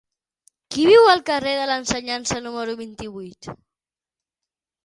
Qui viu al carrer de l'Ensenyança número vint-i-vuit?